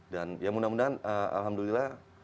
dan ya mudah mudahan alhamdulillah